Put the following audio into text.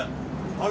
あれ。